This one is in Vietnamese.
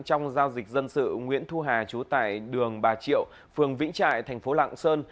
trong giao dịch dân sự nguyễn thu hà trú tại đường bà triệu phường vĩnh trại thành phố lạng sơn